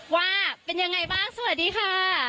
ว่าเป็นยังไงบ้างสวัสดีค่ะ